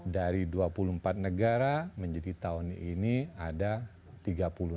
dari dua puluh empat negara menjadi tahun ini ada tiga puluh